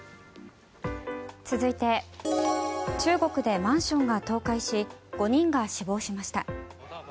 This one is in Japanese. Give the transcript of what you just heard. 続いて中国でマンションが倒壊し５人が死亡しました。